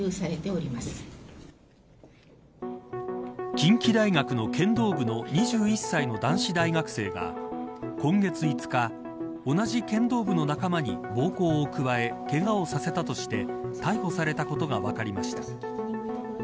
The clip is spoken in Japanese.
近畿大学の剣道部の２１歳の男子大学生が今月５日、同じ剣道部の仲間に暴行を加えけがをさせたとして逮捕されたことが分かりました。